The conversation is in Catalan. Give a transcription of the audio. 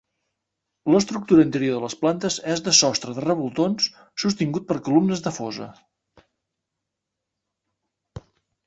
L'estructura interior de les plantes és de sostre de revoltons sostingut per columnes de fosa.